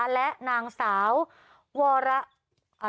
และนางสาววร